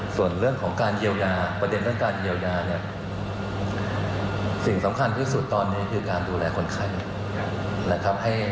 ส่วนเรื่องของการเยียวยาประเด็นเรื่องการเยียวยาเนี่ยสิ่งสำคัญที่สุดตอนนี้คือการดูแลคนไข้นะครับ